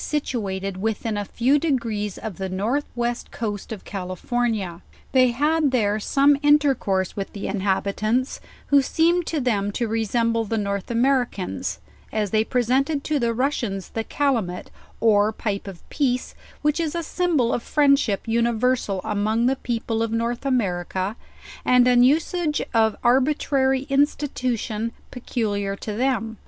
175 situated within a few degrees of the north west coast of Cal ifornia. They had there some intercourse with the inhabi tants, who seemed to them to resemble the North Americans; as they presented to the Russians the calumet or pipe of peace;, which is a symbol of friendship universal among the people of North America and an usage of arbitrary institution pecu liar to them."